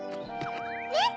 ねっ！